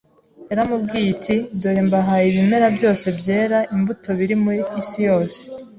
Yaramubwiye iti, “Dore mbahaye ibimera byose byera imbuto biri mu isi yose